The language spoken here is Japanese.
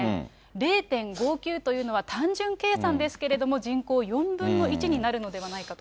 ０．５９というのは単純計算ですけれども、人口４分の１になるのではないかと。